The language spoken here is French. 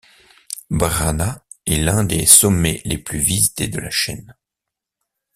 Brana est l'un des sommets les plus visités de la chaîne.